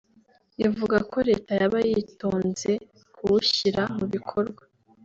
ivuga ko leta yaba yitonze kuwushyira mu bikorwa